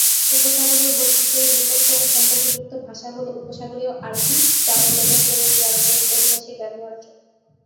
উপসাগরীয় বৈচিত্র্য এর নিকটতম সম্পর্কযুক্ত ভাষা হলো উপসাগরীয় আরবি, যা অন্যান্য সৌদি আরবের অধিবাসীর ব্যবহার্য।